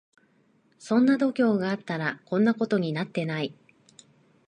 そんな度胸があったらこんなことになってない